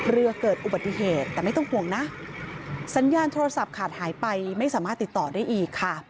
เรือเกิดอุบัติเหตุแต่ไม่ต้องห่วงนะสัญญาณโทรศัพท์ขาดหายไปไม่สามารถติดต่อได้อีกค่ะ